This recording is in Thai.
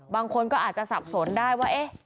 บางคนก็อาจจะสับสนได้ว่าเอ๊ะ